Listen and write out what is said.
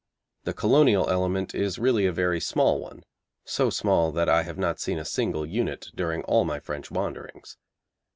The Colonial element is really a very small one so small that I have not seen a single unit during all my French wanderings.